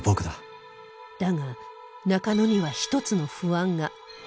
だが中野には一つの不安が